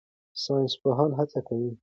ساینسپوهان هڅه کوي.